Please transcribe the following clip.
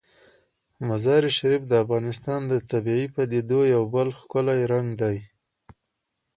مزارشریف د افغانستان د طبیعي پدیدو یو بل ښکلی رنګ دی.